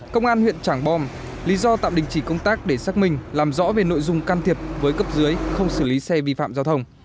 công an huyện trảng bom lý do tạm đình chỉ công tác để xác minh làm rõ về nội dung can thiệp với cấp dưới không xử lý xe vi phạm giao thông